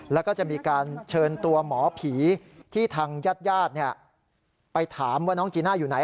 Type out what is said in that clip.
แล้วก็จะมีการเชิญตัวหมอผีที่ทางญาติญาติไปถามว่าน้องจีน่าอยู่ไหน